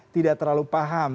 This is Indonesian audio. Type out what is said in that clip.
tidak terlalu paham